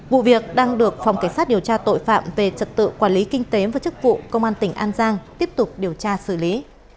vụ việc đang được phòng cảnh sát điều tra tội phạm về trật tự quản lý kinh tế và chức vụ công an tỉnh an giang tiếp tục điều tra xử lý